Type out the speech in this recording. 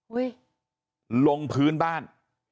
อุ้ยลงพื้นบ้าน